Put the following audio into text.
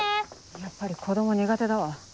やっぱり子供苦手だわ。